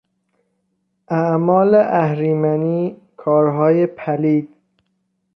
اعمال اهریمنی، کارهای پلید